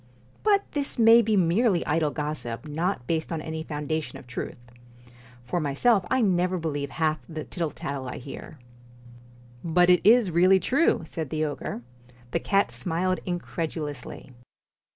But this may be merely idle gossip, not based on any foundation of truth. For myself I never believe half the tittle tattle I hear.' I But it is really true, ' said the ogre. The cat smiled incredulously.